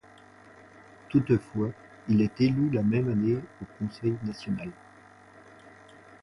Toutefois, il est élu la même année au Conseil national.